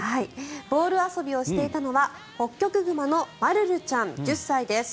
ボール遊びをしていたのはホッキョクグマのマルルちゃん、１０歳です。